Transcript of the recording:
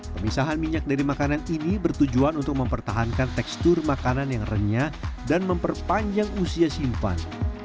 pemisahan minyak dari makanan ini bertujuan untuk mempertahankan tekstur makanan yang renyah dan memperpanjang usia simpan